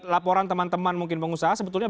laporan teman teman mungkin pengusaha sebetulnya